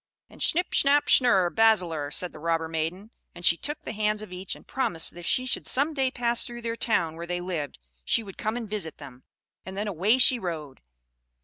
And "Schnipp schnapp schnurre basselurre," said the robber maiden; and she took the hands of each, and promised that if she should some day pass through the town where they lived, she would come and visit them; and then away she rode.